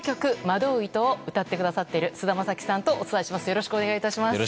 「惑う糸」を歌ってくださっている菅田将暉さんとお伝えします。